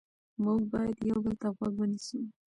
موږ باید یو بل ته غوږ ونیسو